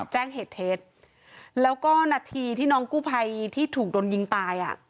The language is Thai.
แจ้งเหตุเท็จแล้วก็นาทีที่น้องกู้ภัยที่ถูกโดนยิงตายอ่ะ